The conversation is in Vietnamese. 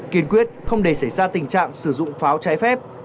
kiên quyết không để xảy ra tình trạng sử dụng pháo trái phép